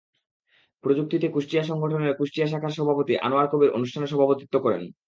প্রযুক্তিতে কুষ্টিয়া সংগঠনের কুষ্টিয়া শাখার সভাপতি আনোয়ার কবীর অনুষ্ঠানে সভাপতিত্ব করেন।